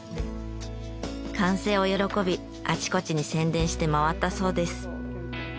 完成を喜びあちこちに宣伝して回ったそうです。